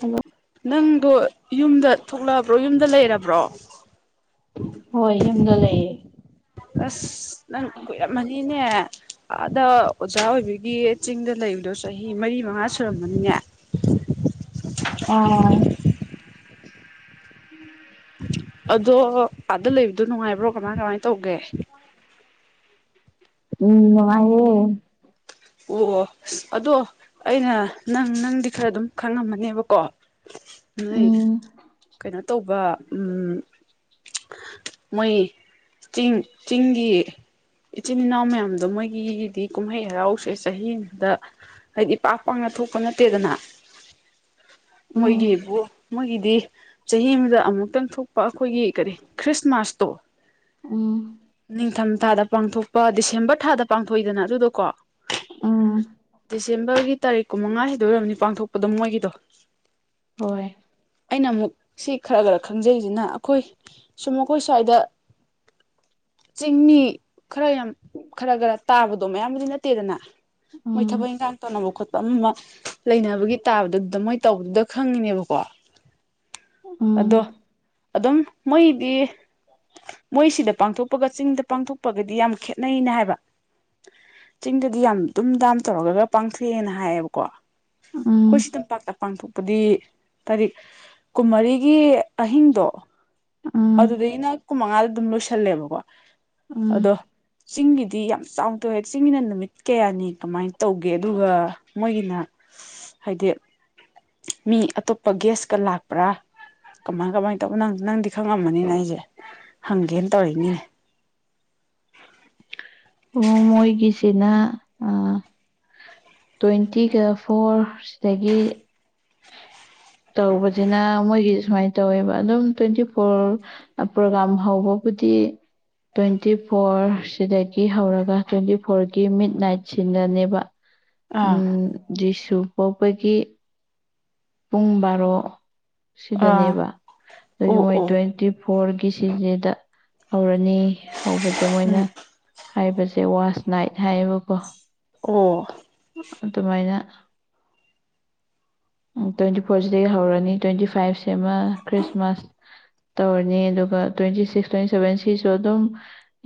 hello ꯅꯪꯗꯣ ꯌꯨꯝꯗ ꯊꯣꯛꯂꯛꯑꯕ꯭ꯔꯣ ꯌꯨꯝꯗ ꯂꯩꯔꯕ꯭ꯔꯣ ꯍꯣꯏ ꯌꯨꯝꯗ ꯂꯩꯌꯦ ꯑꯁ ꯅꯪ ꯀꯨꯔꯃꯅꯤꯅꯦ ꯑꯥꯗ ꯑꯣꯖꯥ ꯑꯣꯏꯕꯒꯤ ꯆꯤꯡꯗ ꯂꯩꯕꯗꯣ ꯆꯍꯤ ꯃꯔꯤ ꯃꯉꯥ ꯁꯨꯔꯝꯕꯅꯤꯅꯦ ꯑ ꯎꯝ ꯑꯗꯣ ꯑꯥꯗ ꯂꯩꯕꯗꯣ ꯅꯨꯡꯉꯥꯏꯕ꯭ꯔꯣ ꯀꯃꯥꯏ ꯀꯃꯥꯏꯅ ꯇꯧꯒꯦ ꯎꯝ ꯅꯨꯡꯉꯥꯏꯌꯦ ꯎ ꯑꯣ ꯑꯗꯣ ꯑꯩꯅ ꯅꯪ ꯅꯪꯗꯤ ꯈꯔ ꯑꯗꯨꯝ ꯈꯪꯉꯝꯃꯅꯦꯕꯀꯣ ꯅꯣꯏ ꯎꯝ ꯀꯩꯅꯣ ꯇꯧꯕ ꯎ ꯃꯣꯏ ꯆꯤꯡ ꯆꯤꯡꯒꯤ ꯏꯆꯤꯟ ꯏꯅꯥꯎ ꯃꯌꯥꯝꯗꯣ ꯃꯣꯏꯒꯤꯗꯤ ꯀꯨꯝꯍꯩ ꯍꯔꯥꯎ ꯆꯍꯤꯗ ꯍꯥꯏꯗꯤ ꯄꯥꯛ ꯄꯥꯛꯅ ꯊꯣꯛꯄ ꯅꯠꯇꯦꯗꯅ ꯎꯝ ꯃꯣꯏꯒꯤꯕꯨ ꯃꯣꯏꯒꯤꯗꯤ ꯆꯍꯤ ꯑꯃꯗ ꯑꯃꯨꯛꯇꯪ ꯊꯣꯛꯄ ꯑꯩꯈꯣꯏꯒꯤ ꯀꯔꯤ ꯈ꯭ꯔꯤꯁꯃꯥꯁ ꯇꯣ ꯎꯝ ꯅꯤꯡꯊꯝ ꯊꯥꯗ ꯄꯥꯡꯊꯣꯛꯄ ꯗꯤꯁꯦꯝꯕꯔ ꯊꯥꯗ ꯄꯥꯡꯊꯣꯛꯏꯗꯅ ꯑꯗꯨꯗꯣꯀꯣ ꯎꯝ ꯗꯤꯁꯦꯝꯕꯔꯒꯤ ꯇꯥꯔꯤꯛ ꯀꯨꯟꯃꯉꯥ ꯍꯥꯏꯗꯣꯏꯔꯕꯅꯤ ꯄꯥꯡꯊꯣꯛꯄꯗꯣ ꯃꯣꯏꯒꯤꯗꯣ ꯍꯣꯏ ꯑꯩꯅ ꯑꯃꯨꯛ ꯁꯤ ꯈꯔ ꯈꯔ ꯈꯪꯖꯩꯁꯤꯅ ꯑꯩꯈꯣꯏ ꯁꯨꯝ ꯃꯈꯣꯏ ꯁꯥꯏꯗ ꯆꯤꯡꯃꯤ ꯈꯔ ꯌꯥꯝ ꯈꯔ ꯈꯔ ꯇꯥꯕꯗꯣ ꯃꯌꯥꯝꯕꯨꯗꯤ ꯅꯠꯇꯦ ꯅꯠꯇꯦꯗꯅ ꯃꯣꯏ ꯎꯝ ꯊꯕꯛ ꯏꯟꯈꯥꯡ ꯇꯧꯅꯕ ꯈꯣꯠꯄ ꯑꯃ ꯑꯃ ꯂꯩꯅꯕꯒꯤ ꯇꯥꯕꯗꯨꯗ ꯃꯣꯏ ꯇꯧꯕꯗꯨꯗ ꯈꯪꯉꯤꯅꯦꯕꯀꯣ ꯎꯝ ꯑꯗꯣ ꯑꯗꯨꯝ ꯃꯣꯏꯗꯤ ꯃꯣꯏꯁꯤꯗ ꯄꯥꯡꯊꯣꯛꯄꯒ ꯆꯤꯡꯗ ꯄꯥꯡꯊꯣꯛꯄꯒꯗꯤ ꯌꯥꯝ ꯈꯦꯠꯅꯩꯩꯅ ꯍꯥꯏꯕ ꯆꯤꯡꯗꯗꯤ ꯌꯥꯝ ꯑꯗꯨꯝ ꯗꯥꯝ ꯇꯧꯔꯒꯒ ꯄꯥꯡꯊꯣꯛꯑꯦꯅ ꯍꯥꯏꯌꯦꯕꯀꯣ ꯎꯝ ꯑꯩꯈꯣꯏ ꯁꯤꯗ ꯄꯄꯥꯛꯇ ꯄꯥꯡꯊꯣꯛꯄꯗꯤ ꯇꯥꯔꯤꯛ ꯀꯨꯟꯃꯔꯤꯒꯤ ꯑꯍꯤꯡꯗꯣ ꯎꯝ ꯑꯗꯨꯗꯒꯤꯅ ꯀꯨꯟ ꯃꯉꯥꯗ ꯑꯗꯨꯝ ꯂꯣꯏꯁꯜꯂꯦꯕꯀꯣ ꯎꯝ ꯑꯗꯣ ꯆꯤꯡꯒꯤꯗꯤ ꯌꯥꯝ ꯆꯥꯎꯊꯣꯏꯋꯦ ꯆꯤꯡꯒꯤꯅ ꯅꯨꯃꯤꯠ ꯀꯌꯥꯅꯤ ꯀꯃꯥꯏꯅ ꯇꯧꯒꯦ ꯑꯗꯨꯒ ꯃꯣꯏꯒꯤꯅ ꯍꯥꯏꯗꯤ ꯃꯤ ꯑꯇꯣꯞꯄ ꯒꯦꯁꯀ ꯂꯥꯛꯄ꯭ꯔꯥ ꯀꯃꯥꯏ ꯀꯃꯥꯏꯅ ꯇꯧꯕ ꯅꯪꯁꯨ ꯅꯪꯗꯤ ꯈꯪꯉꯝꯃꯅꯤꯅ ꯑꯩꯁꯦ ꯍꯪꯒꯦꯅ ꯇꯧꯔꯤꯛꯅꯤꯅꯦ ꯑꯣ ꯃꯣꯏꯒꯤꯁꯤꯅ ꯑ ꯇ꯭ꯋꯦꯟꯇꯤꯒ ꯐꯣꯔ ꯁꯤꯗꯒꯤ ꯇꯧꯕꯁꯤꯅ ꯃꯣꯏꯒꯤ ꯁꯨꯃꯥꯏꯅ ꯇꯧꯋꯦꯕ ꯑꯗꯨꯝ ꯇ꯭ꯋꯦꯟꯇꯤ ꯐꯣꯔ ꯄ꯭ꯔꯣꯒꯥꯝ ꯍꯧꯕꯕꯨꯗꯤ ꯇ꯭ꯋꯦꯟꯇꯤ ꯐꯣꯔ ꯁꯤꯗ ꯍꯧꯔꯒ ꯇ꯭ꯋꯦꯟꯇꯤ ꯐꯣꯔꯒꯤ ꯃꯤꯗ ꯅꯥꯏꯠꯁꯤꯗꯅꯦꯕ ꯑꯥ ꯎꯝ ꯔꯤꯁꯨ ꯄꯣꯛꯄꯒꯤ ꯄꯨꯡ ꯕꯥꯔꯣ ꯑꯥ ꯁꯤꯗꯅꯦꯕ ꯑꯗꯒꯤ ꯑꯣ ꯃꯣꯏ ꯑꯣ ꯇ꯭ꯋꯦꯟꯇꯤ ꯐꯣꯔꯒꯤ ꯁꯤꯗꯗ ꯍꯧꯔꯅꯤ ꯍꯧꯕꯁꯦ ꯎꯝ ꯃꯣꯏꯅ ꯍꯥꯏꯕꯁꯦ ꯋꯥꯁ ꯅꯥꯏꯠ ꯍꯥꯏꯌꯦꯕꯀꯣ ꯑꯣ ꯑꯗꯨꯃꯥꯏꯅ ꯇ꯭ꯋꯦꯟꯇꯤ ꯐꯣꯔꯁꯤꯗꯒꯤ ꯍꯧꯔꯅꯤ ꯇ꯭ꯋꯦꯟꯇꯤ ꯐꯥꯏꯚꯁꯤꯃ ꯈ꯭ꯔꯤꯁꯃꯥꯁ ꯇꯧꯔꯅꯤ ꯑꯗꯨꯒ ꯇ꯭ꯋꯦꯟꯇꯤ ꯁꯤꯛꯁ ꯇ꯭ꯋꯦꯟꯇꯤ ꯁꯚꯦꯟ ꯁꯤꯁꯨ ꯑꯗꯨꯝ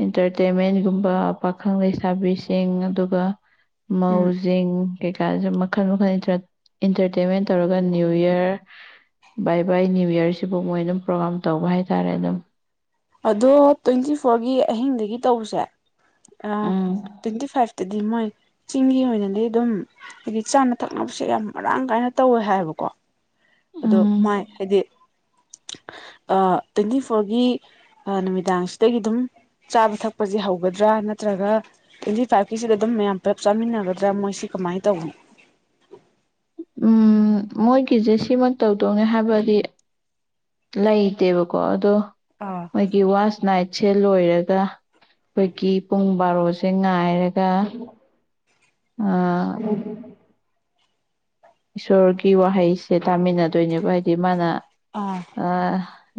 ꯏꯟꯇꯔꯇꯦꯟꯃꯦꯟꯒꯨꯝꯕ ꯄꯥꯈꯪ ꯂꯩꯁꯥꯕꯤꯁꯤꯡ ꯑꯗꯨꯒ ꯎꯝ ꯃꯎꯖꯤꯡ ꯀꯩꯀꯥꯁꯨ ꯃꯈꯜ ꯃꯈꯜ ꯏꯟꯇꯔꯇꯦꯟꯃꯦꯟ ꯇꯧꯔꯒ ꯅꯤꯌꯨ ꯏꯌꯥꯔ ꯕꯥꯏ ꯕꯥꯏ ꯅꯅꯤꯌꯨ ꯌꯌꯥꯔꯁꯤꯕꯨ ꯃꯣꯏ ꯑꯗꯨꯝ ꯄ꯭ꯔꯣꯒꯥꯝ ꯇꯧꯕ ꯍꯥꯏꯇꯥꯔꯦ ꯑꯗꯨꯝ ꯑꯗꯣ ꯇ꯭ꯋꯦꯟꯇꯤ ꯐꯣꯔꯒꯤ ꯑꯍꯤꯡꯗꯒꯤ ꯇꯧꯁꯦ ꯑ ꯎꯝ ꯇ꯭ꯋꯦꯟꯇꯤ ꯐꯥꯏꯚ ꯇꯗꯤꯝ ꯃꯣꯏ ꯆꯤꯡꯒꯤ ꯑꯣꯏꯅꯗꯤ ꯑꯗꯨꯝ ꯍꯥꯏꯗꯤ ꯆꯥꯅ ꯊꯛꯅꯕꯁꯦ ꯌꯥꯝ ꯃꯔꯥꯡ ꯀꯥꯏꯅ ꯇꯧꯋꯦ ꯍꯥꯏꯕꯀꯣ ꯑꯗꯣ ꯎꯝ ꯃꯥꯏ ꯍꯥꯏꯗꯤ ꯇ꯭ꯋꯦꯟꯇꯤ ꯐꯣꯔꯒꯤ ꯅꯨꯃꯤꯗꯥꯡꯁꯤꯗꯒꯤ ꯑꯗꯨꯝ ꯆꯥꯕ ꯊꯛꯄꯁꯦ ꯍꯧꯒꯗ꯭ꯔꯥ ꯅꯠꯇ꯭ꯔꯒ ꯇ꯭ꯋꯦꯟꯇꯤ ꯐꯥꯏꯚꯀꯤꯁꯤꯗ ꯑꯗꯨꯝ ꯃꯌꯥꯝ ꯄꯨꯂꯞ ꯆꯥꯃꯤꯟꯅꯒꯗ꯭ꯔꯥ ꯃꯣꯏ ꯁꯤ ꯀꯃꯥꯏꯅ ꯇꯧꯕꯅꯣ ꯎꯝ ꯃꯣꯏꯒꯤꯁꯦ ꯁꯤꯃ ꯇꯧꯗꯧꯅꯦ ꯍꯥꯏꯕꯗꯤ ꯂꯩꯇꯦꯕꯀꯣ ꯑꯗꯣ ꯑꯥ ꯃꯣꯏꯒꯤ ꯋꯥꯁ ꯅꯥꯏꯠ ꯠ ꯁꯦ ꯂꯣꯏꯔꯒ ꯑꯩꯈꯣꯏꯒꯤ ꯄꯨꯡ ꯕꯥꯔꯣꯁꯦ ꯉꯥꯏꯔꯒ ꯑꯥ ꯏꯁꯣꯔꯒꯤ ꯋꯥꯍꯩꯁꯦ ꯇꯥꯃꯤꯟꯅꯗꯣꯏꯅꯦꯕ ꯍꯥꯏꯗꯤ ꯃꯥꯅ ꯑꯥ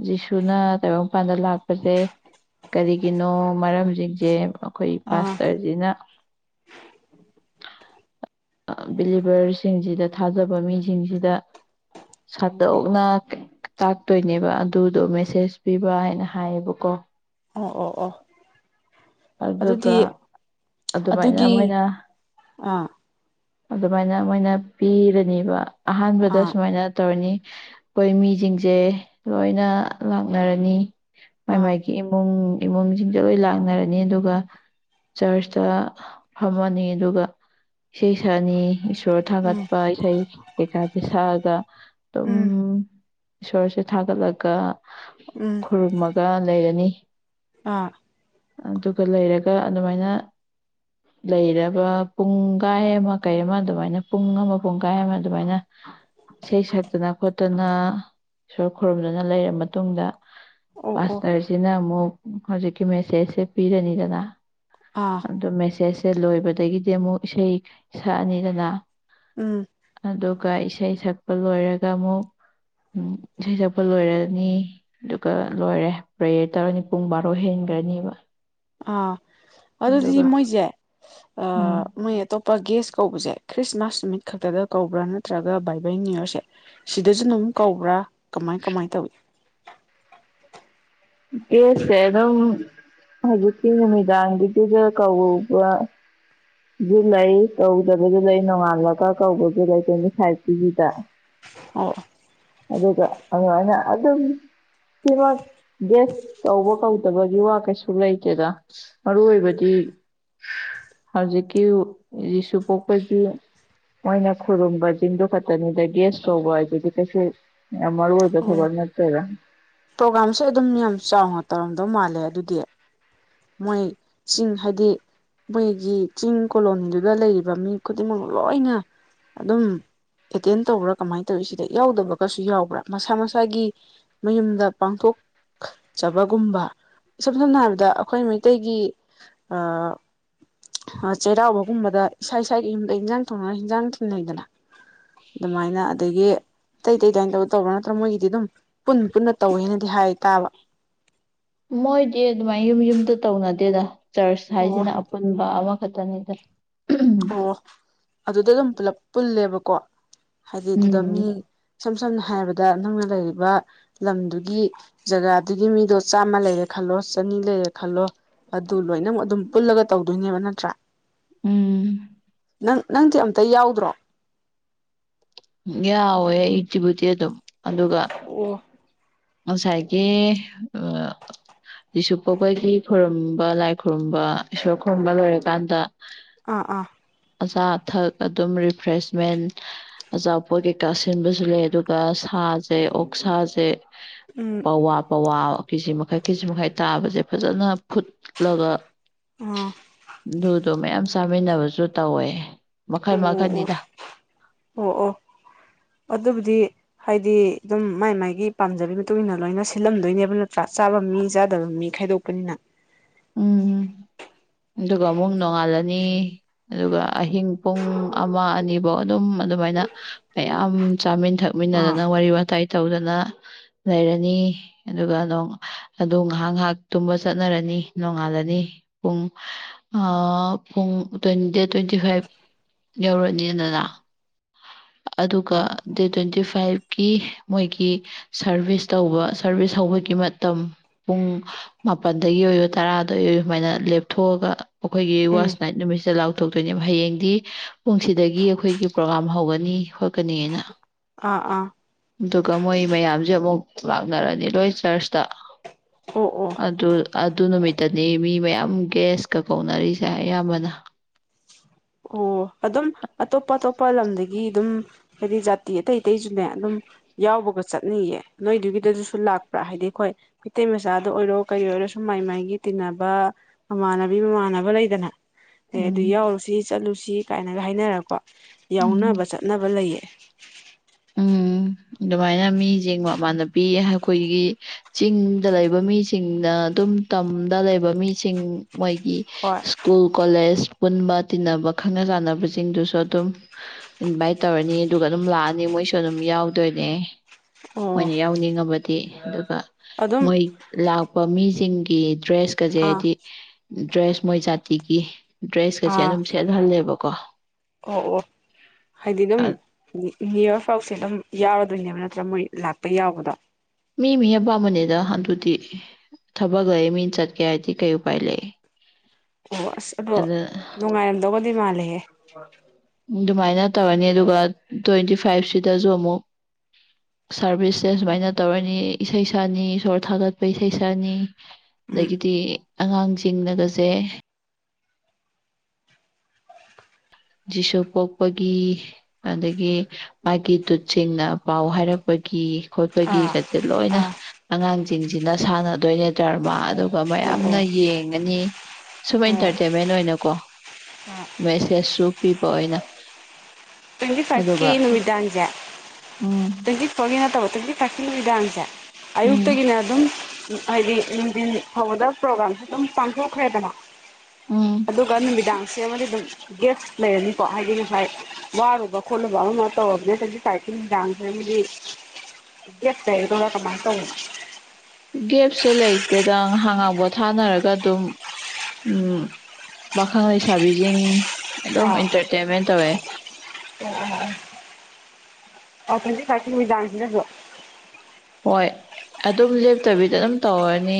ꯖꯤꯁꯨꯅ ꯇꯥꯏꯕꯪ ꯃꯄꯥꯟꯗ ꯂꯥꯛꯄꯁꯦ ꯀꯔꯤꯒꯤꯅꯣ ꯃꯔꯝꯁꯤꯡꯁꯦ ꯑꯩꯈꯣꯏ ꯑꯥ ꯄꯥꯁꯇꯔꯖꯤꯅ ꯕꯤꯂꯤꯚꯔꯁꯤꯡꯁꯤꯗ ꯊꯥꯖꯕ ꯃꯤꯁꯤꯡꯁꯤꯗ ꯁꯗꯣꯛꯅ ꯇꯥꯛꯇꯣꯏꯅꯦꯕ ꯑꯗꯨꯗꯣ ꯃꯦꯁꯦꯁ ꯄꯤꯕ ꯍꯥꯏꯅ ꯍꯥꯏꯌꯦꯕꯀꯣ ꯑꯣ ꯑꯣ ꯑꯣ ꯑꯗꯨꯗꯤ ꯑꯗꯨꯒ ꯑꯗꯨꯃꯥꯏꯅ ꯑꯗꯨꯒꯤ ꯃꯣꯏꯅ ꯑꯥ ꯑꯗꯨꯃꯥꯏꯅ ꯃꯣꯏꯅ ꯄꯤꯔꯅꯦꯕ ꯑꯍꯥꯟꯕꯗ ꯑꯥ ꯁꯨꯃꯥꯏꯅ ꯇꯧꯔꯅꯤ ꯑꯩꯈꯣꯏ ꯃꯤꯖꯤꯡꯁꯦ ꯂꯣꯏꯅ ꯂꯥꯛꯅꯔꯅꯤ ꯃꯥꯏ ꯑꯥ ꯃꯥꯏꯒꯤ ꯏꯃꯨꯡ ꯏꯃꯨꯡꯁꯤꯡꯁꯦ ꯂꯣꯏ ꯂꯥꯛꯅꯔꯅꯤ ꯑꯗꯨꯒ ꯆꯔꯆꯇ ꯐꯝꯃꯅꯤ ꯑꯗꯨꯒ ꯏꯁꯩ ꯁꯛꯑꯅꯤ ꯏꯁꯣꯔ ꯎꯝ ꯊꯥꯛꯒꯠꯄ ꯏꯁꯩ ꯀꯩꯀꯥꯁꯦ ꯁꯛꯑꯒ ꯑꯗꯨꯝ ꯎꯝ ꯏꯁꯣꯔꯁꯦ ꯊꯥꯒꯠꯂꯒ ꯎꯝ ꯈꯨꯔꯨꯝꯃꯒ ꯂꯩꯔꯅꯤ ꯑꯥ ꯑꯗꯨꯒ ꯂꯩꯔꯒ ꯑꯗꯨꯃꯥꯏꯅ ꯂꯩꯔꯕ ꯄꯨꯡ ꯨꯄꯨꯡꯒꯥꯢ ꯑꯃ ꯀꯩ ꯑꯃ ꯑꯗꯨꯃꯥꯏꯅ ꯄꯨꯡ ꯑꯃ ꯄꯨꯡ ꯀꯥꯏ ꯑꯃ ꯑꯗꯨꯃꯥꯏꯅ ꯏꯁꯩ ꯁꯛꯇꯅ ꯈꯣꯠꯇꯅ ꯏꯁꯣꯔ ꯈꯨꯔꯨꯝꯗꯨꯅ ꯂꯩꯔꯕ ꯃꯇꯨꯡꯗ ꯑꯣ ꯑꯣ ꯄꯥꯁꯇꯔꯁꯤꯅ ꯑꯃꯨꯛ ꯍꯧꯖꯤꯛꯀꯤ ꯃꯦꯁꯦꯖꯁꯦ ꯄꯤꯔꯅꯤꯗꯅ ꯑꯥ ꯑꯗꯨ ꯃꯦꯁꯦꯁꯁꯦ ꯂꯣꯏꯕꯗꯒꯤꯗꯤ ꯑꯃꯨꯛ ꯏꯁꯩ ꯁꯛꯑꯅꯤꯗꯅ ꯎꯝ ꯑꯗꯨꯒ ꯏꯁꯩ ꯁꯛꯄ ꯂꯣꯏꯔꯒ ꯑꯃꯨꯛ ꯎꯝ ꯏꯁꯩ ꯁꯛꯄ ꯂꯣꯏꯔꯅꯤ ꯑꯗꯨꯒ ꯂꯣꯏꯔꯦ ꯄ꯭ꯔꯦ ꯇꯔꯅꯤ ꯄꯨꯡ ꯕꯥꯔꯣ ꯍꯦꯟꯈ꯭ꯔꯅꯦꯕ ꯑꯥ ꯑꯗꯨꯗꯤ ꯃꯣꯏꯁꯦ ꯎꯝ ꯃꯣꯏ ꯑꯇꯣꯞ ꯄ ꯒꯦꯁ ꯀꯧꯕꯁꯦ ꯈ꯭ꯔꯤꯁꯃꯥꯁ ꯅꯨꯃꯤꯠ ꯈꯛꯇꯗ ꯀꯧꯕ꯭ꯔꯥ ꯅꯠꯇ꯭ꯔꯒ ꯕꯥꯏꯕꯜ ꯅꯅꯤꯌꯨ ꯌꯔꯁꯦ ꯁꯤꯗꯁꯨ ꯑꯗꯨꯝ ꯀꯧꯕ꯭ꯔꯥ ꯀꯃꯥꯏ ꯀꯃꯥꯏꯅ ꯇꯧꯏ ꯑꯦꯁꯦ ꯑꯗꯨꯝ ꯍꯧꯖꯤꯛꯀꯤ ꯅꯨꯃꯤꯗꯥꯡꯒꯤꯗꯨꯗ ꯀꯧꯕ ꯨ ꯗꯨꯅꯥꯑꯩ ꯀꯧꯗꯕꯁꯨ ꯂꯩ ꯅꯣꯡꯉꯥꯜꯂꯒ ꯀꯧꯕꯁꯨ ꯂꯩ ꯇ꯭ꯋꯦꯟꯇꯤ ꯐꯥꯏꯚ ꯀꯤꯗꯨꯗ ꯑꯣꯑꯣ ꯑꯗꯨꯒ ꯑꯗꯨꯃꯥꯏꯅ ꯑꯗꯨꯝ ꯄꯤꯃꯛ ꯒꯦꯁ ꯇꯧꯕ ꯀꯧꯗꯕꯒꯤ ꯋꯥ ꯀꯩꯁꯨ ꯂꯩꯇꯦꯗ ꯃꯔꯨ ꯑꯣꯏꯕꯗꯤ ꯍꯧꯖꯤꯛꯀꯤ ꯖꯤꯁꯨ ꯄꯣꯛꯄꯒꯤ ꯃꯣꯏꯅ ꯈꯨꯔꯨꯝꯕꯁꯤꯡꯗꯨ ꯈꯛꯇꯅꯤꯗ ꯒꯦꯁ ꯇꯧꯕ ꯍꯥꯏꯗꯨꯗꯤ ꯀꯩꯁꯨ ꯌꯥꯝ ꯃꯔꯨ ꯑꯣꯏ ꯑꯣ ꯐꯤꯄꯔꯋꯦꯜ ꯅꯠꯇꯦꯗ ꯄ꯭ꯔꯣꯒꯥꯝꯁꯦ ꯑꯗꯨꯝ ꯌꯥꯝ ꯆꯥꯎꯅ ꯇꯧꯔꯝꯗꯧ ꯃꯥꯜꯂꯦ ꯑꯗꯨꯗꯤ ꯃꯣꯏ ꯆꯤꯡ ꯍꯥꯏꯗꯤ ꯃꯣꯏꯒꯤ ꯆꯤꯡ ꯀꯣꯂꯣꯅꯤꯗꯨꯗ ꯂꯩꯔꯤꯕ ꯃꯤ ꯈꯨꯗꯤꯡꯃꯛ ꯂꯣꯏꯅ ꯑꯗꯨꯝ ꯑꯦꯇꯦꯟ ꯇꯧꯕ꯭ꯔꯥ ꯀꯃꯥꯏꯅ ꯇꯧꯋꯤ ꯁꯤꯗ ꯌꯥꯎꯗꯕꯒꯁꯨ ꯌꯥꯎꯕ꯭ꯔꯥ ꯃꯁꯥ ꯃꯁꯥꯒꯤ ꯃꯌꯨꯝꯗ ꯄꯥꯡꯊꯣꯛꯆꯕꯒꯨꯝꯕ ꯏꯁꯝ ꯁꯝꯅ ꯍꯥꯏꯔꯕꯗ ꯃꯤꯇꯩꯩꯒꯤ ꯑ ꯆꯩꯔꯥꯎꯕꯒꯨꯝꯕꯗ ꯏꯁꯥ ꯏꯁꯥꯒꯤ ꯌꯨꯝꯗ ꯏꯟꯖꯥꯡ ꯊꯣꯡꯅꯔ ꯍꯤꯟꯖꯥꯡ ꯊꯤꯟꯅꯩꯗꯅ ꯑꯗꯨꯃꯥꯏꯅ ꯑꯗꯒꯤ ꯑꯇꯩ ꯑꯇꯩ ꯑꯗꯨꯃꯥꯏꯅ ꯇꯧ ꯇꯧꯕ꯭ꯔꯥ ꯅꯠꯇ꯭ꯔꯒ ꯃꯣꯏꯒꯤꯗꯤ ꯑꯗꯨꯝ ꯄꯨꯟ ꯄꯨꯟꯅ ꯇꯧꯋꯦꯅꯗꯤ ꯍꯥꯏ ꯇꯥꯕ ꯃꯣꯏꯗꯤ ꯑꯗꯨꯃꯥꯏ ꯌꯨꯝ ꯌꯨꯝꯗ ꯇꯧꯅꯗꯦꯗ ꯆꯔꯆ ꯑꯣ ꯍꯥꯏꯁꯤꯅ ꯄꯨꯟꯕ ꯑꯃꯈꯛꯇꯅꯤꯗ ꯑꯣ ꯑꯗꯨꯗ ꯑꯗꯨꯝ ꯄꯨꯂꯞ ꯄꯨꯜꯂꯦꯕꯀꯣ ꯍꯥꯏꯗꯤ ꯑꯗꯨꯗ ꯃꯤ ꯏꯁꯝ ꯁꯝꯅ ꯍꯥꯏꯔꯕꯗ ꯅꯪꯅ ꯂꯩꯔꯤꯕ ꯂꯝꯗꯨꯒꯤ ꯖꯒꯥꯗꯨꯒꯤ ꯃꯤꯗꯣ ꯆꯥꯝꯃ ꯂꯩꯔꯦ ꯈꯜꯂꯣ ꯆꯅꯤ ꯂꯩꯔꯦ ꯈꯜꯂꯣ ꯑꯗꯨ ꯂꯣꯏꯅꯃꯛ ꯑꯗꯨꯝ ꯄꯨꯜꯂꯒ ꯇꯧꯗꯣꯏꯅꯦꯕ ꯅꯠꯇ꯭ꯔꯥ ꯎꯝ ꯅꯪ ꯅꯪꯗꯤ ꯑꯝꯇ ꯌꯥꯎꯗ꯭ꯔꯣ ꯌꯥꯎꯋꯦ ꯑꯤꯠꯀꯤꯕꯨꯗꯤ ꯑꯗꯨꯝ ꯑꯗꯨꯒ ꯑꯣ ꯉꯁꯥꯏꯒꯤ ꯑ ꯖꯤꯁꯨ ꯄꯣꯛꯄꯒꯤ ꯈꯨꯔꯨꯝꯕ ꯂꯥꯏ ꯈꯨꯔꯨꯝꯕ ꯏꯁꯣꯔ ꯈꯨꯔꯨꯝꯕ ꯂꯣꯏꯔꯀꯥꯟꯗ ꯑꯥ ꯑꯥ ꯑꯆꯥ ꯑꯊꯛ ꯑꯗꯨꯝ ꯔꯤꯐ꯭ꯔꯦꯁꯃꯦꯟ ꯑꯆꯥꯄꯣꯠ ꯀꯩꯀꯥꯁꯤꯟꯕꯁꯨ ꯂꯩ ꯑꯗꯨꯒ ꯁꯥꯁꯦ ꯑꯣꯛꯁꯥꯁꯦ ꯎꯝ ꯄꯋꯥ ꯄꯋꯥ ꯀꯤꯖꯤ ꯃꯈꯥꯏ ꯀꯤꯖꯤ ꯃꯈꯥꯏ ꯇꯥꯕꯁꯦ ꯐꯖꯅ ꯐꯨꯠꯂꯒ ꯑꯥ ꯑꯗꯨꯗꯣ ꯃꯌꯥꯝ ꯆꯥꯃꯤꯟꯅꯕꯁꯨ ꯇꯧꯋꯦ ꯃꯈꯜ ꯑꯣ ꯑꯣ ꯃꯈꯜꯅꯤꯗ ꯑꯣ ꯑꯣ ꯑꯗꯨꯕꯨꯗꯤ ꯍꯥꯏꯗꯤ ꯑꯗꯨꯝ ꯃꯥꯏ ꯃꯥꯥꯏꯒꯤ ꯄꯥꯝꯖꯕꯤ ꯃꯇꯨꯡꯏꯟꯅ ꯂꯣꯏꯅ ꯁꯤꯜꯂꯝꯗꯣꯏꯅꯦꯕ ꯅꯠꯇ꯭ꯔꯥ ꯆꯥꯕ ꯃꯤ ꯆꯥꯗꯕ ꯃꯤ ꯈꯥꯏꯗꯣꯛꯄꯅꯤꯅ ꯎꯝ [unintelligible] ꯑꯗꯨꯒ ꯑꯃꯨꯛ ꯅꯣꯡꯉꯥꯜꯂꯅꯤ ꯑꯗꯨꯒ ꯑꯍꯤꯡ ꯄꯨꯡ ꯑꯃ ꯑꯅꯤꯕꯧꯑꯗꯨꯝ ꯑꯗꯨꯃꯥꯏꯅ ꯃꯌꯥꯝ ꯆꯥꯃꯤꯟꯊꯛ ꯑꯥ ꯃꯤꯟꯅꯗꯅ ꯋꯥꯔꯤ ꯋꯥꯇꯥꯏ ꯇꯧꯗꯅ ꯂꯩꯔꯅꯤ ꯑꯗꯨꯒ ꯅꯣꯡ ꯑꯗꯨ ꯉꯥꯏꯍꯥꯛ ꯉꯥꯏꯍꯥꯛ ꯇꯨꯝꯕ ꯆꯠꯅꯔꯅꯤ ꯅꯣꯡꯉꯥꯜꯂꯅꯤ ꯄꯨꯡ ꯑꯥ ꯄꯨꯡ ꯗꯦꯠ ꯇ꯭ꯋꯦꯟꯇꯤ ꯐꯥꯏꯚ ꯌꯧꯔꯅꯤꯗꯅ ꯑꯗꯨꯒ ꯎꯝ ꯗꯦꯠ ꯇ꯭ꯋꯦꯟꯇꯤ ꯐꯥꯏꯚ ꯀꯤ ꯃꯣꯏꯒꯤ ꯁꯔꯚꯤꯁ ꯇꯧꯕ ꯁꯔꯚꯤꯁ ꯍꯧꯕꯒꯤ ꯃꯇꯝ ꯄꯨꯡ ꯃꯥꯄꯜꯗꯒꯤ ꯑꯣꯏꯌꯨ ꯇꯔꯥꯗꯒꯤ ꯑꯣꯏꯌꯨ ꯁꯨꯃꯥꯏꯅ ꯂꯦꯞꯊꯣꯛꯑꯒ ꯑꯩꯈꯣꯏꯒꯤ ꯎꯝ ꯋꯥꯁ ꯅꯥꯏꯠ ꯅꯨꯃꯤꯠꯁꯤꯗ ꯂꯥꯎꯊꯣꯛ ꯊꯣꯛꯇꯣꯏꯅꯦꯕ ꯍꯌꯦꯡꯗꯤ ꯄꯨꯡꯁꯤꯗꯒꯤ ꯑꯩꯈꯣꯏꯒꯤ ꯄ꯭ꯔꯣꯒꯥꯝ ꯍꯧꯒꯅꯤ ꯈꯣꯠꯀꯅꯤꯅ ꯑꯥ ꯑꯥ ꯑꯗꯨꯒ ꯃꯣꯏ ꯃꯌꯥꯝꯁꯦ ꯑꯃꯨꯛ ꯂꯥꯛꯅꯔꯅꯤ ꯂꯣꯏ ꯆꯔꯆꯇ ꯑꯣ ꯑꯣ ꯑꯗꯨ ꯑꯗꯨ ꯅꯨꯃꯤꯠꯇꯅꯤ ꯃꯤ ꯃꯌꯥꯝ ꯒ꯭ꯦꯁꯀ ꯀꯧꯅꯔꯤꯁꯦ ꯑꯌꯥꯝꯕꯅ ꯑꯣ ꯑꯗꯨꯝ ꯑꯇꯣꯞꯄ ꯑꯇꯣꯞꯄ ꯂꯝꯗꯒꯤ ꯑꯗꯨꯝ ꯍꯥꯏꯗꯤ ꯖꯥꯇꯤ ꯑꯇꯩ ꯑꯇꯩꯁꯨꯅꯦ ꯑꯗꯨꯝ ꯌꯥꯎꯕꯒ ꯆꯠꯅꯤꯡꯌꯦ ꯅꯣꯏꯗꯨꯒꯤꯗꯗꯨꯁꯨ ꯂꯥꯛꯄ꯭ꯔꯥ ꯍꯥꯏꯗꯤ ꯑꯩꯈꯣꯏ ꯃꯩꯇꯩ ꯃꯆꯥꯗ ꯑꯣꯏꯔꯣ ꯀꯔꯤ ꯑꯣꯏꯔꯣ ꯁꯨꯝ ꯃꯥꯏ ꯃꯥꯏꯒꯤ ꯇꯤꯟꯅꯕ ꯃꯃꯥꯟꯅꯕꯤ ꯃꯃꯥꯟꯅꯕ ꯂꯩꯗꯅ ꯑꯦ ꯑꯗꯨ ꯎꯝ ꯌꯥꯎꯔꯨꯁꯤ ꯆꯠꯂꯨꯁꯤ ꯀꯥꯏꯅꯒ ꯍꯥꯏꯅꯔꯀꯣ ꯎꯝ ꯌꯥꯎꯅꯕ ꯆꯠꯅꯕ ꯂꯩꯌꯦ ꯎ ꯎꯝ [inaudible] ꯑꯗꯨꯃꯥꯏꯅ ꯃꯤꯁꯤꯡ ꯃꯃꯥꯟꯅꯕꯤ ꯑꯩꯈꯣꯏꯒꯤ ꯆꯤꯡꯗ ꯂꯩꯕ ꯃꯤꯁꯤꯡꯅ ꯑꯗꯨꯝ ꯇꯝꯗ ꯂꯩꯕ ꯃꯤꯁꯤꯡ ꯃꯣꯏꯒꯤ ꯍꯣꯏ ꯁ꯭ꯀꯨꯜ ꯀꯣꯂꯦꯖ ꯄꯨꯟꯕ ꯇꯤꯟꯅꯕ ꯈꯪꯅ ꯆꯥꯟꯅꯕꯁꯤꯡꯗꯨꯁꯨ ꯑꯗꯨꯝ ꯏꯟꯚꯥꯏꯠ ꯇꯧꯔꯅꯤ ꯑꯗꯨꯒ ꯑꯗꯨꯝ ꯂꯥꯛꯑꯅꯤ ꯑ ꯃꯣꯏꯁꯨ ꯑꯗꯨꯝ ꯌꯥꯎꯗꯣꯏꯅꯦ ꯑꯣ ꯃꯣꯏꯅ ꯌꯥꯎꯅꯤꯡꯉꯕꯗꯤ ꯑꯗꯨꯒ ꯑꯗꯨꯝ ꯃꯣꯏ ꯂꯥꯛꯄ ꯃꯤꯁꯤꯡꯒꯤ ꯗ꯭ꯔꯦꯁꯀꯁꯦ ꯑꯥ ꯍꯥꯏꯗꯤ ꯗ꯭ꯔꯦꯁ ꯃꯣꯏ ꯆꯥꯇꯤꯒꯤ ꯗ꯭ꯔꯦꯁꯀꯁꯦ ꯑꯥ ꯑꯗꯨꯝ ꯁꯦꯠꯍꯜꯂꯦꯕꯀꯣ ꯑꯣ ꯑꯣ ꯍꯥꯏꯗꯤ ꯑꯗꯨꯝ ꯅ꯭ꯌꯨ ꯌꯌꯥꯔ ꯐꯥꯎꯁꯦ ꯑꯗꯨꯝ ꯌꯥꯎꯔꯗꯣꯏꯅꯦꯕ ꯅꯠꯇ꯭ꯔꯥ ꯃꯣꯏ ꯂꯥꯛꯄ ꯌꯥꯎꯕꯗꯣ ꯃꯤ ꯃꯤ ꯑꯄꯥꯝꯕꯅꯦꯗ ꯑꯗꯨꯗꯤ ꯊꯕꯛ ꯂꯩ ꯃꯤꯅ ꯆꯠꯀꯦ ꯍꯥꯏꯗꯤ ꯀꯩ ꯎꯄꯥꯏ ꯂꯩ ꯑꯣ ꯑꯁ ꯑꯗꯣ ꯑꯗ ꯅꯨꯡꯉꯥꯏꯔꯝꯗꯧꯒꯗꯤ ꯃꯥꯜꯂꯦꯍꯦ ꯑꯗꯨꯃꯥꯏꯅ ꯇꯧꯔꯅꯤ ꯑꯗꯨꯒ ꯇ꯭ꯋꯦꯟꯇꯤ ꯐꯥꯏꯚ ꯁꯤꯗꯁꯨ ꯑꯃꯨꯛ [unintelligible] ꯁꯥꯔꯚꯤꯁꯁꯦ ꯁꯨꯃꯥꯏꯅ ꯇꯧꯔꯅꯤ ꯏꯁꯩ ꯁꯛꯅꯤ ꯏꯁꯣꯔ ꯊꯥꯒꯠꯄ ꯏꯁꯩ ꯁꯛꯅꯤ ꯎꯝ ꯑꯗꯒꯤꯗꯤ ꯑꯉꯥꯡꯁꯤꯡꯅꯒꯁꯦ ꯖꯤꯁꯨ ꯄꯣꯛꯄꯒꯤ ꯑꯗꯒꯤ ꯃꯥꯒꯤ ꯇꯨꯠꯁꯤꯡꯅ ꯄꯥꯎ ꯍꯥꯏꯔꯛꯄꯒꯤ ꯑꯥ ꯈꯣꯠꯄꯒꯤꯒꯁꯦ ꯂꯣꯏꯅ ꯑꯥ ꯑꯉꯥꯡꯁꯤꯡꯁꯤꯅ ꯁꯥꯟꯅꯗꯣꯏꯅꯦ ꯗꯔꯃ ꯑꯗꯨꯒ ꯑꯣ ꯃꯌꯥꯝꯅ ꯌꯦꯡꯉꯅꯤ ꯁꯨꯝ ꯑꯣ ꯑꯦꯟꯇꯔꯇꯦꯟꯃꯦꯟ ꯑꯣꯏꯅꯀꯣ ꯑꯣ ꯃꯦꯁꯦꯁ ꯁꯨ ꯄꯤꯕ ꯑꯣꯏꯅ ꯇ꯭ꯋꯦꯟꯇꯤ ꯐꯥꯏꯔꯚꯀꯤ ꯑꯗꯨꯒ ꯅꯨꯃꯤꯗꯥꯡꯁꯦ ꯎꯝ ꯇ꯭ꯋꯦꯟꯇꯤ ꯐꯣꯔꯒꯤ ꯅꯠꯇꯧꯕ ꯇ꯭ꯋꯦꯟꯇꯤ ꯐꯥꯏꯚꯀꯤ ꯅꯨꯃꯤꯗꯥꯡꯁꯦ ꯎꯝ ꯑꯌꯨꯛꯇꯒꯤꯅꯦ ꯑꯗꯨꯝ ꯍꯥꯏꯗꯤ ꯅꯨꯡꯊꯤꯟ ꯐꯥꯎꯕꯗ ꯄ꯭ꯔꯣꯒꯥꯝꯁꯨ ꯑꯗꯨꯝ ꯄꯥꯡꯊꯣꯛꯈ꯭ꯔꯦꯗꯅ ꯎꯝ ꯅꯨꯃꯤꯗꯥꯡꯁꯦ ꯑꯃꯗꯤ ꯑꯗꯨꯝ ꯒꯦꯞ ꯂꯩꯔꯅꯤꯀꯣ ꯍꯥꯏꯗꯤ ꯉꯁꯥꯏ ꯋꯥꯔꯨꯕ ꯈꯣꯠꯂꯨꯕ ꯑꯃꯥ ꯑꯃꯥ ꯇꯧꯔꯕꯅꯤꯅ [unintelligible] ꯍꯥꯏꯗꯤ [unintelligible] [unintelligible] ꯀꯃꯥꯏ ꯇꯧꯕꯅꯣ ꯒꯦꯞꯁꯦ ꯂꯩꯇꯦꯗ ꯉꯍꯥꯛ ꯉꯍꯥꯛ ꯄꯣꯊꯥꯅꯔꯒ ꯑꯗꯨꯝ ꯎ ꯄꯥꯈꯪ ꯂꯩꯁꯥꯕꯤꯁꯤꯡ ꯑꯗꯨꯝ ꯑꯥ ꯏꯟꯇꯔꯇꯦꯟꯃꯦꯟ ꯇꯧꯋꯦ [unintelligible] [unintelligible] ꯍꯣꯏ ꯑꯗꯨꯝ ꯂꯦꯞꯇꯕꯤꯗ ꯑꯗꯨꯝ ꯇꯧꯔꯅꯤ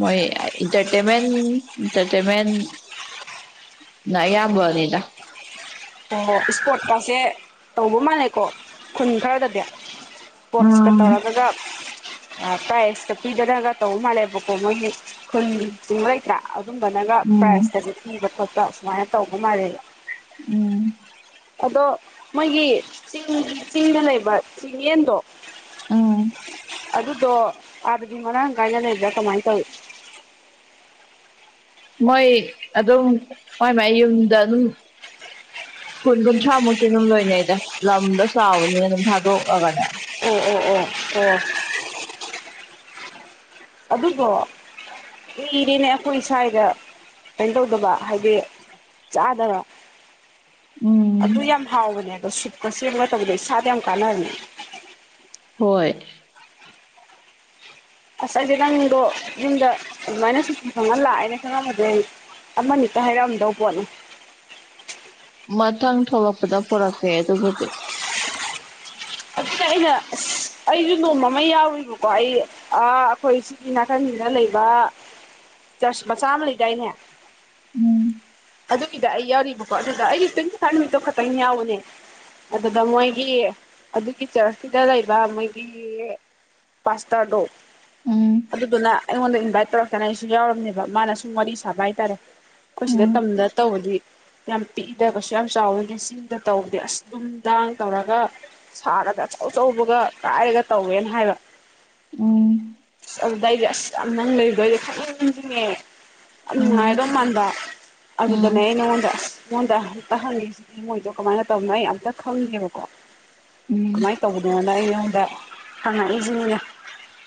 ꯃꯣꯏ ꯏꯟꯇꯔꯇꯦꯟꯃꯦꯟ ꯏꯟꯇꯔꯇꯦꯟꯃꯦꯟ ꯅ ꯑꯌꯥꯝꯕꯅꯤꯗ ꯑꯣ ꯏꯁꯄꯣꯔꯠꯀꯁꯦ ꯇꯧꯕ ꯃꯥꯜꯂꯦꯀꯣ ꯈꯨꯟ ꯈꯔꯗꯗꯤ ꯏꯁꯄꯣꯔꯠꯁꯀ ꯎꯝ ꯇꯧꯔꯒ ꯕ꯭ꯔꯥꯏꯁ ꯄꯤꯗꯅꯒ ꯇꯧ ꯃꯥꯜꯂꯦꯕ ꯃꯣꯏ ꯈꯨꯟꯒꯤ ꯆꯤꯡꯕ ꯂꯩꯇ꯭ꯔꯥ ꯑꯗꯨꯝꯕꯗꯒ ꯎꯝ ꯄ꯭ꯔꯥꯏꯒꯁꯤ ꯄꯤꯕ ꯈꯣꯠꯄ ꯁꯨꯃꯥꯏꯅ ꯇꯧꯕ ꯃꯥꯜꯂꯦꯕ ꯎꯝ ꯑꯗꯣ ꯃꯣꯏꯒꯤ ꯆꯤꯡꯒꯤ ꯆꯤꯡꯗ ꯂꯩꯕ ꯆꯤꯡꯌꯦꯟꯗꯣ ꯑꯥꯝ ꯑꯗꯨꯗꯣ ꯑꯥꯗꯗꯤ ꯃꯔꯥꯡ ꯀꯥꯏꯅ ꯂꯩꯕ꯭ꯔꯥ ꯀꯃꯥꯏꯅ ꯇꯧꯋꯤ ꯃꯣꯏ ꯑꯗꯨꯝ ꯃꯣꯏ ꯃꯌꯨꯝꯗ ꯑꯗꯨꯝ ꯀꯨꯟ ꯀꯨꯟꯊ꯭ꯔꯥ ꯃꯨꯛꯇꯤ ꯑꯗꯨꯝ ꯂꯣꯏꯅꯩꯗ ꯂꯝꯗꯣ ꯆꯥꯎꯕꯅꯤꯅ ꯑꯗꯨꯝ ꯊꯥꯗꯣꯛꯂꯒꯅꯦ ꯑꯣ ꯑꯣ ꯑꯣ ꯑꯣ ꯑꯗꯨꯗꯣ ꯏꯔꯦꯅꯦ ꯑꯩꯈꯣꯏ ꯁꯋꯥꯏꯗ ꯀꯩꯅꯣ ꯇꯧꯗꯕ ꯍꯥꯏꯗꯤ ꯆꯥꯗꯕ ꯎꯝ ꯑꯗꯨ ꯌꯥꯝ ꯍꯥꯎꯕꯅꯦ ꯑꯗꯣ ꯁꯨꯞꯀ ꯁꯦꯝꯕꯒ ꯇꯧꯕꯗ ꯏꯁꯥꯗ ꯌꯥꯝ ꯀꯥꯟꯅꯕꯅꯦ ꯍꯣꯏ ꯑꯁ ꯑꯩꯁꯦ ꯅꯪꯗꯣ ꯌꯨꯝꯗ ꯑꯗꯨꯃꯥꯏꯅ ꯁꯨꯇꯤ ꯐꯪꯉ ꯂꯥꯛꯑꯦꯅ ꯈꯪꯉꯝꯃꯗꯤ ꯑꯃꯅꯤꯛꯇ ꯍꯥꯏꯔꯛꯑꯝꯗꯧꯕ ꯄꯣꯠꯅꯤ ꯃꯊꯪ ꯊꯣꯛꯂꯛꯄꯗ ꯄꯨꯔꯛꯀꯦ ꯑꯗꯨꯕꯨꯗꯤ [unintelligible] ꯑꯩꯅ ꯑꯁ ꯑꯩꯁꯨ ꯅꯣꯡꯃ ꯑꯃ ꯌꯥꯎꯔꯨꯏꯕꯀꯣ ꯑꯩ ꯑ ꯑꯩꯈꯣꯏ ꯁꯤꯒꯤ ꯅꯥꯀꯟꯁꯤꯡꯗ ꯂꯩꯕ ꯆꯔꯆ ꯃꯆꯥ ꯑꯃ ꯂꯩꯗꯥꯏꯅꯦ ꯎꯝ ꯑꯗꯨꯒꯤꯗ ꯑꯩ ꯌꯥꯎꯔꯤꯕꯀꯣ ꯑꯗꯨꯗ ꯑꯩꯗꯤ ꯇ꯭ꯋꯦꯟꯇꯤ ꯐꯥꯏꯔꯚ ꯅꯨꯃꯤꯠꯇꯣ ꯈꯛꯇꯪ ꯌꯥꯎꯕꯅꯦ ꯑꯗꯨꯗ ꯃꯣꯏꯒꯤ ꯀꯤ ꯆꯔꯁꯁꯤꯗ ꯂꯩꯕ ꯃꯣꯏꯒꯤ ꯄꯥꯁꯇꯔꯗꯣ ꯎꯝ ꯑꯗꯨꯗꯨꯅ ꯑꯩꯉꯣꯟꯗ ꯏꯟꯚꯥꯏꯠ ꯇꯧꯔꯛꯇꯅ ꯑꯩꯁꯨ ꯌꯥꯎꯔꯝꯅꯦꯕ ꯃꯥꯅ ꯁꯨꯝ ꯋꯥꯔꯤ ꯁꯥꯕ ꯍꯥꯏꯇꯥꯔꯦ ꯑꯩꯈꯣꯏ ꯁꯤꯗ ꯎꯝ ꯇꯝꯗ ꯇꯧꯕꯗꯤ ꯌꯥꯝ ꯄꯤꯛꯏꯗꯕꯁꯨ ꯌꯥꯝ ꯆꯥꯎꯋꯦꯗꯤ ꯁꯤꯗ ꯇꯧꯕꯗꯤ ꯑꯁ ꯗꯨꯝ ꯗꯥꯡ ꯇꯧꯔꯒ ꯁꯥꯔꯒ ꯑꯆꯧ ꯑꯆꯧꯕꯒ ꯀꯥꯏꯔꯒ ꯇꯧꯋꯦꯅ ꯍꯥꯏꯕ ꯎꯝ ꯑꯁ ꯑꯗꯨꯗꯩꯗꯤ ꯑꯁ ꯌꯥꯝ ꯅꯪ ꯂꯩꯕꯗꯣꯏꯗꯤ ꯈꯪꯅꯤꯡ ꯅꯤꯡꯁꯤꯡꯉꯦ ꯌꯥꯝ ꯎꯝ ꯅꯨꯡꯉꯥꯏꯗꯣ ꯃꯥꯟꯕ ꯑꯗꯨꯗꯅꯦ ꯎꯝ ꯑꯩ ꯅꯉꯣꯟꯗ ꯉꯣꯟꯗ ꯑꯛꯇ ꯍꯪꯒꯦꯁꯤꯗꯤ ꯃꯣꯏꯗꯣ ꯀꯃꯥꯏꯅ ꯇꯧꯅꯣ ꯑꯩ ꯑꯝꯇ ꯈꯪꯗꯦꯕꯀꯣ ꯎꯝ ꯀꯃꯥꯏꯅ ꯇꯧꯕꯅꯣꯅ ꯑꯩ ꯅꯉꯣꯟꯗ ꯍꯪꯉꯛꯏꯁꯤꯅꯤꯅꯦ